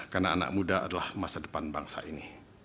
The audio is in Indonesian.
karena anak muda adalah masa depan bangsa ini